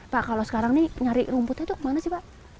pak kalau sekarang nih nyari rumputnya itu mana sih pak